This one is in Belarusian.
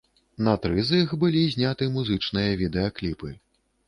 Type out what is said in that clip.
На тры з іх былі зняты музычныя відэакліпы.